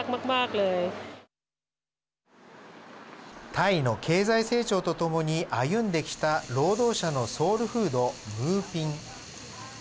タイの経済成長とともに歩んできた労働者のソウルフードムーピン。